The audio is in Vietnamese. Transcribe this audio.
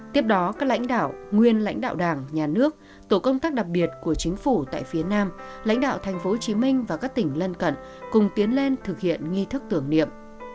tiếp đó các lãnh đạo nguyên lãnh đạo đảng nhà nước tổ công tác đặc biệt của chính phủ tại phía nam lãnh đạo thành phố hồ chí minh và các tỉnh lân cận cùng tiến lên thực hiện nghi thức tưởng niệm